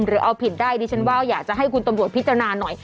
หรือเอาผิดได้ดิฉันว่าอยากจะให้คุณตำรวจพิจารณาหน่อย